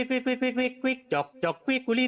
เยี่ยมโพสุดหยุกเมริค